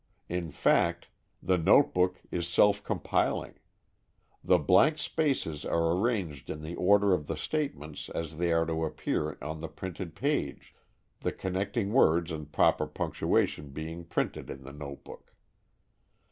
In fact, the notebook is self compiling. The blank spaces are arranged in the order of the statements as they are to appear on the printed page, the connecting words and proper punctuation being printed in the notebook.